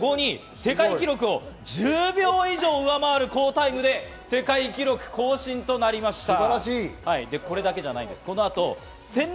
世界記録を１０秒以上、上回る好タイムで世界記録更新となりました。